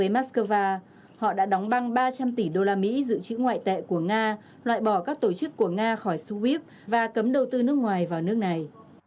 nga đã đặt băng ba trăm linh tỷ đô la mỹ dự trữ ngoại tệ của nga loại bỏ các tổ chức của nga khỏi suvip và cấm đầu tư nước ngoài vào nước này